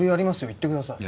言ってください。